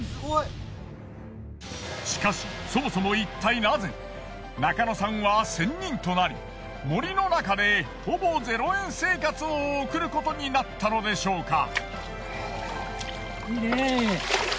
しかしそもそもいったいナゼ中野さんは仙人となり森の中でほぼ０円生活を送ることになったのでしょうか？